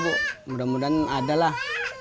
harapannya sih ya mudah mudahan cepat lah itu